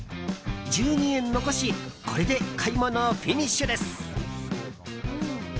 １２円残しこれで買い物フィニッシュです。